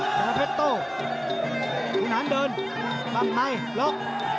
ชนะเพชรโตขุนหานเดินปับใหม่ลบ